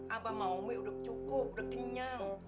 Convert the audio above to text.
abah sama umi udah cukup udah kenyang